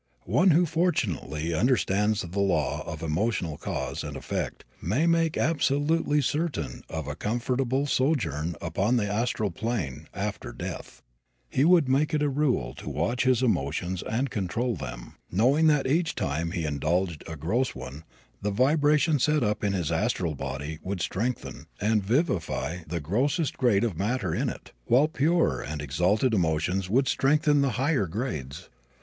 One who fortunately understands the law of emotional cause and effect may make absolutely certain of a comfortable sojourn upon the astral plane after death. He would make it a rule to watch his emotions and control them, knowing that each time he indulged a gross one the vibration set up in his astral body would strengthen and vivify the grossest grade of matter in it, while pure and exalted emotions would strengthen the higher grades.